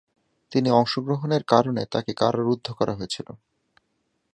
তিনি অংশগ্রহণের কারণে তাকে কারারুদ্ধ করা হয়েছিল।